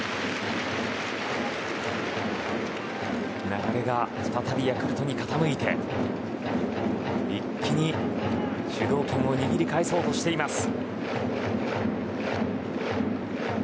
流れた再びヤクルトに傾いて一気に主導権を握り返そうとしています。